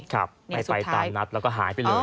ไปไปตามนัดเราก็หายไปเลย